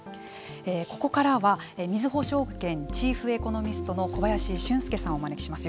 ここからはみずほ証券チーフエコノミストの小林俊介さんをお招きします。